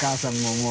もう。